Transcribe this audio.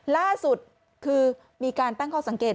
ล่าสุดคือมีการตั้งข้อสังเกต